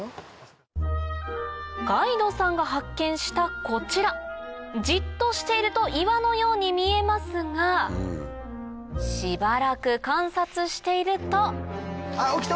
ガイドさんが発見したこちらじっとしていると岩のように見えますがしばらく観察しているとあっ起きた！